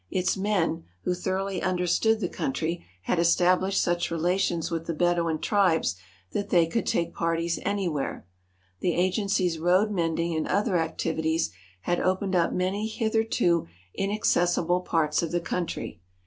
Its men, who thoroughly understood the country, had established such relations with the Bedouin tribes that they could take parties anywhere. The agency's road mending and other activities had opened up many hitherto inaccessible parts of the country.